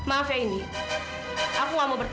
atau mungkin penipuan newspapers